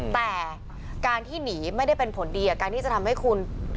แต่การที่หนีไม่ได้เป็นผลดีกับการที่จะทำให้คุณ